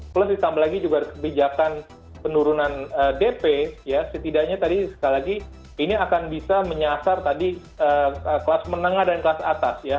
plus ditambah lagi juga kebijakan penurunan dp ya setidaknya tadi sekali lagi ini akan bisa menyasar tadi kelas menengah dan kelas atas ya